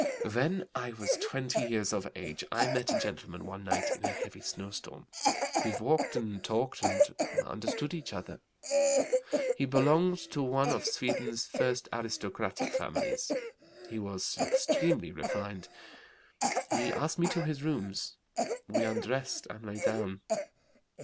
"When I was 20 years of age I met a gentleman one night in a heavy snow storm. We walked and talked and understood each other. He belonged to one of Sweden's first aristocratic families. He was extremely refined. He asked me to his rooms. We undressed and lay down.